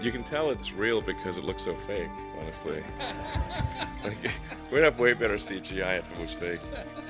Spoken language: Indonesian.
kami tidak tahu apakah ini benar atau tidak